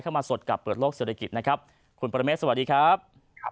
เข้ามาสดกับเปิดโลกเศรษฐกิจคุณปรเมธสวัสดีครับ